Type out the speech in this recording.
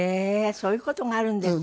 そういう事があるんですか。